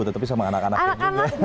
tapi sama anak anaknya juga